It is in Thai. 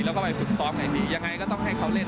แล้วก็ไปฝึกซ้อมไงพี่ยังไงก็ต้องให้เขาเล่น